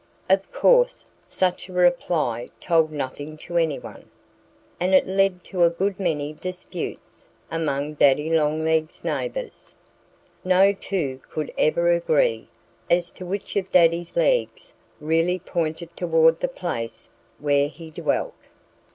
Of course such a reply told nothing to anyone. And it led to a good many disputes among Daddy Longlegs' neighbors. No two could ever agree as to which of Daddy's legs really pointed toward the place where he dwelt.